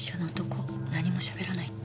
何もしゃべらないって。